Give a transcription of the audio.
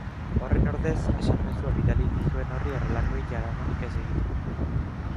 Horren ordez, esan mezua bidali dizuen horri horrelakoei jaramonik ez egiteko.